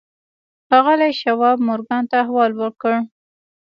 ښاغلي شواب مورګان ته احوال ورکړ.